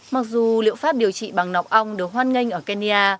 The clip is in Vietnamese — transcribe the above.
mặc dù liệu pháp điều trị bằng nọc ong được hoan nghênh ở kenya